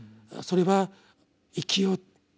それは「生きよ」